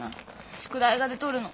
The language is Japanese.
宿題が出とるの。